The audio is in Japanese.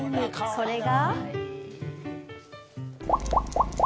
それが。